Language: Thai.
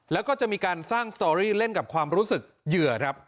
แล้วก็จะมีการสร้างสตอรี่เล่นกับความรู้สึกเหยื่อครับ